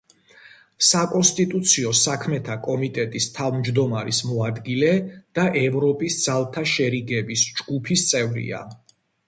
საკონსტიტუციო საქმეთა კომიტეტის თავმჯდომარის მოადგილე და ევროპის ძალთა შერიგების ჯგუფის წევრია.